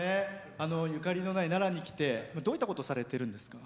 ゆかりのない奈良に来てどういったことをされてるんですか？